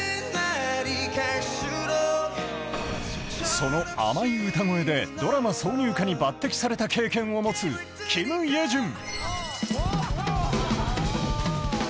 その甘い歌声でドラマ挿入歌に抜てきされた経験を持つキム・イェジュン。